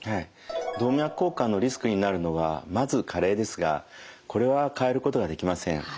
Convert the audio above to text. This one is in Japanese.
動脈硬化のリスクになるのはまず加齢ですがこれは変えることができません。